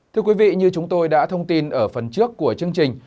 thưa quý vị như chúng tôi đã thông tin ở phần trước của chương trình